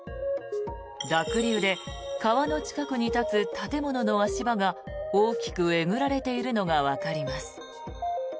濁流で川の近くに立つ建物の足場が大きくえぐられているのがわかります。